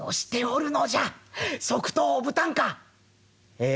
「ええ？」。